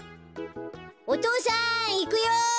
お父さんいくよ！